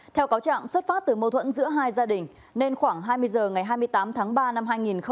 theo cáo trạng xuất phát từ mâu thuẫn giữa hai gia đình nên khoảng hai mươi h ngày hai mươi tám tháng ba năm hai nghìn hai mươi